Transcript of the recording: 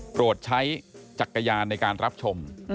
ใช้จักรยานในการรับชม